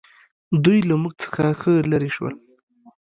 دوی له موږ څخه ښه لرې شول.